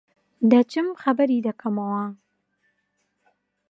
دەچم خەبەری دەکەمەوە.